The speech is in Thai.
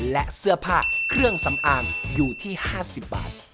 และเสื้อผ้าเครื่องสำอางอยู่ที่๕๐บาท